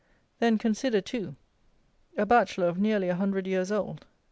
Then, consider, too, a bachelor of nearly a hundred years old.